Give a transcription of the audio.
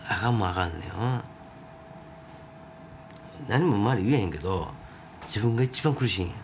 何も周り言えんけど自分が一番苦しいんや。